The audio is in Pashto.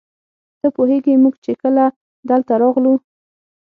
ته پوهېږې موږ چې کله دلته راغلو.